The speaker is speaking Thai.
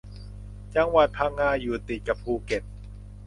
จังหวัดพังงาอยู่ติดกับภูเก็ต